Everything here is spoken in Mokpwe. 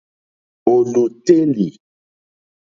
Ò lùtélì.